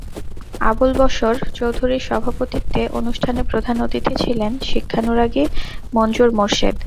আবুল বশর চৌধুরীর সভাপতিত্বে অনুষ্ঠানে প্রধান অতিথি ছিলেন শিক্ষানুরাগী মনজুর মোর্শেদ।